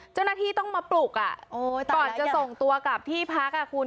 เจ้าหน้าที่ต้องมาปลุกก่อนจะส่งตัวกลับที่พักอ่ะคุณ